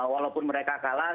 walaupun mereka kalah